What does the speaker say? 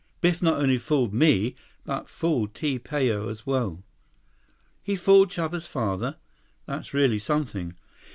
Biff not only fooled me, but fooled Ti Pao as well." "He fooled Chuba's father? That's really something."